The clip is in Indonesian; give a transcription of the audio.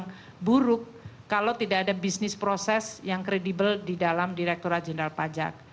yang buruk kalau tidak ada bisnis proses yang kredibel di dalam direkturat jenderal pajak